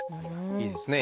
いいですね